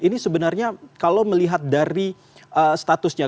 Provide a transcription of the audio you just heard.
ini sebenarnya kalau melihat dari statusnya